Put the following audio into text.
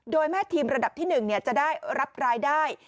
โดยแม่ทีมระดับที่๑จะได้รับรายได้